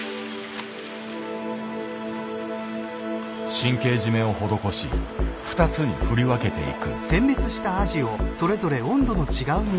神経締めを施し２つに振り分けていく。